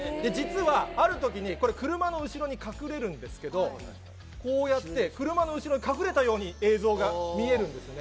実はあるときに、これ、車の後ろに隠れるんですけど、こうやって車の後ろに隠れたように映像が見えるんですね。